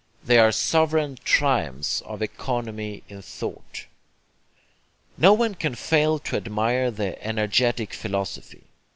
They are sovereign triumphs of economy in thought. No one can fail to admire the 'energetic' philosophy.